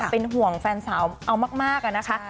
เป็นห่วงแฟนสาวเอามากอะนะคะ